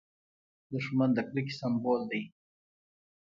دښمن د کرکې سمبول دی